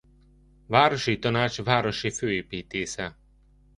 Városi Tanács városi főépítésze.